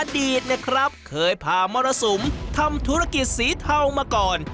อดีตเคยพามรสุมทำธุรกิจสีเทามาก่อน